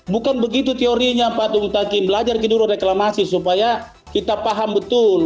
bukan begitu teorinya pak mutakin belajar dulu reklamasi supaya kita paham betul